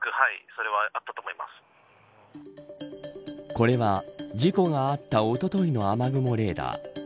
これは事故があったおとといの雨雲レーダー。